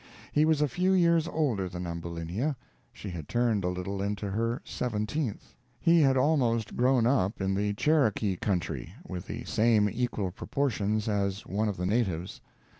He was a few years older than Ambulinia: she had turned a little into her seventeenth. He had almost grown up in the Cherokee country, with the same equal proportions as one of the natives.